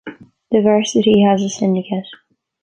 The varsity has a syndicate.